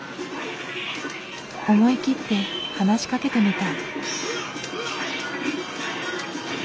思い切って話しかけてみた。